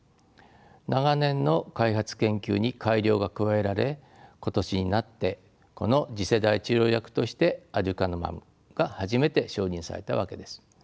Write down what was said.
長年の開発研究に改良が加えられ今年になってこの次世代治療薬としてアデュカヌマブが初めて承認されたわけです。